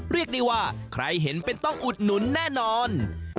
เรียกได้ว่าใครเห็นเป็นต้องอุดหนุนแน่นอน